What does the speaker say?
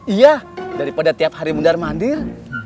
iya daripada tiap hari mundar mandir